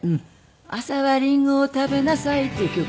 「朝はりんごを食べなさい」という曲を。